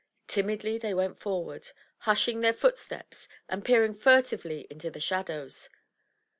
Timidly they went forward, hushing their footsteps and peering furtively into the shadows.